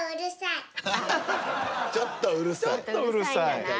ちょっとうるさい。